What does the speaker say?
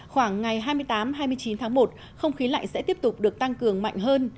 khoảng ngày hai mươi tám hai mươi chín tháng một không khí lạnh sẽ tiếp tục được tăng cường mạnh hơn